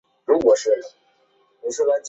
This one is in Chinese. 汤普森也曾代表过加拿大参与国际赛事。